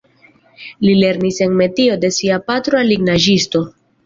Li lernis en metio de sia patro al lignaĵisto.